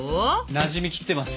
なじみきってます。